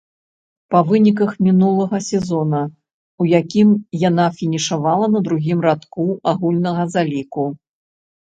Па выніках мінулага сезона, у якім яна фінішавала на другім радку агульнага заліку.